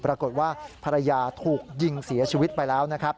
ปรากฏว่าภรรยาถูกยิงเสียชีวิตไปแล้วนะครับ